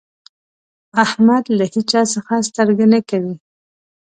احمد له هيچا څځه سترګه نه کوي.